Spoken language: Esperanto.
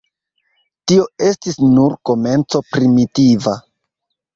Tio estis nur komenco primitiva.